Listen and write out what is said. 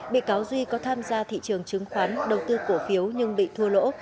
bị cáo duy có tham gia thị trường chứng khoán đầu tư cổ phiếu nhưng bị thua lỗ